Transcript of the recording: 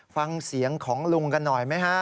ฟังเสียงของลุงกันหน่อยไหมฮะ